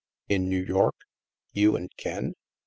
" In New York? You and Ken?